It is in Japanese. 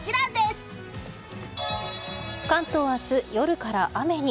関東明日、夜から雨に。